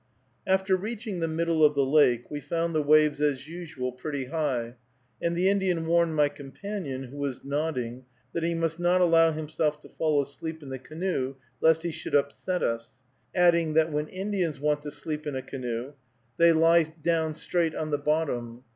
After reaching the middle of the lake, we found the waves as usual pretty high, and the Indian warned my companion, who was nodding, that he must not allow himself to fall asleep in the canoe lest he should upset us; adding, that when Indians want to sleep in a canoe, they lie down straight on the bottom.